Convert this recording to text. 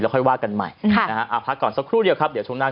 ค่อยว่ากันใหม่พักก่อนสักครู่เดียวครับเดี๋ยวช่วงหน้า